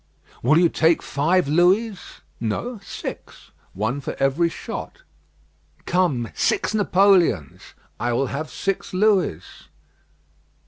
"Will you take five Louis?" "No, six; one for every shot." "Come, six Napoleons." "I will have six Louis."